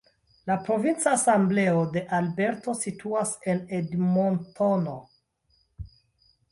La provinca asembleo de Alberto situas en Edmontono.